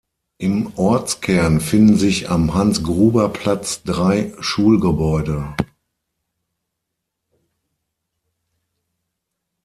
Im Ortskern finden sich am Hans-Gruber-Platz drei Schulgebäude.